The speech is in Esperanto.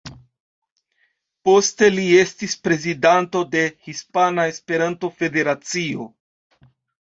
Poste li estis prezidanto de Hispana Esperanto-Federacio.